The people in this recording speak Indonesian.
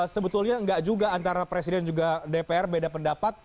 sebetulnya tidak juga antara presiden dan dpr beda pendapat